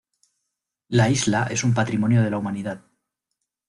La isla es un Patrimonio de la Humanidad.